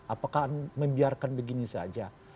apakah membiarkan begini saja